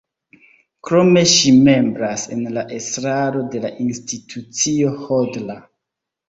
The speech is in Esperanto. Krome ŝi membras en la estraro de la Institucio Hodler.